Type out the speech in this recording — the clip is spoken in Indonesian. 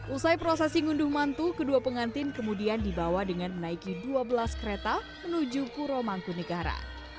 usai prosesi ngunduh mantu kedua pengantin kemudian dibawa dengan menaiki dua belas kereta menuju puro mangkunegara